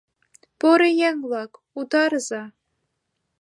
Поро еҥ-влак, утарыза!»